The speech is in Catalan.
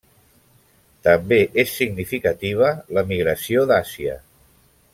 També és significativa la migració d'Àsia.